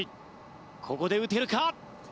ここで打てるか？